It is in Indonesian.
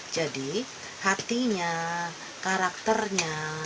jadi hatinya karakternya